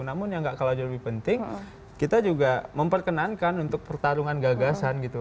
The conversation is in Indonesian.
namun yang gak kalah jauh lebih penting kita juga memperkenankan untuk pertarungan gagasan gitu